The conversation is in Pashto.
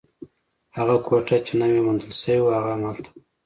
هغه کوټه چې نوې موندل شوې وه، هم هلته وه.